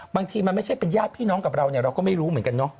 บางทีมันไม่ใช่เป็นญาติพี่น้องกับเราเนี่ยเราก็ไม่รู้เหมือนกันเนาะ